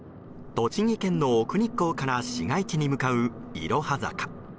栃木県の奥日光から市街地に向かう、いろは坂。